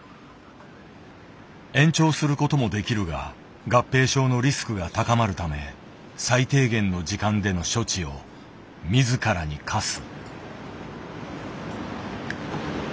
延長することもできるが合併症のリスクが高まるため最低限の時間での処置を自らに課す。